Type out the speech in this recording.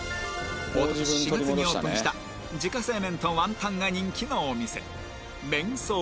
おととし４月にオープンした自家製麺とワンタンが人気のお店麺創庵